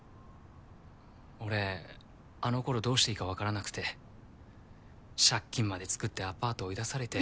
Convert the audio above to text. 俺あの頃どうしていいか分からなくて借金まで作ってアパート追い出されて。